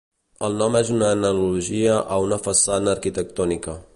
El nom és una analogia a una façana arquitectònica.